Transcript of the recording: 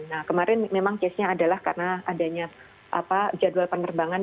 nah kemarin memang casenya adalah karena adanya jadwal penerbangan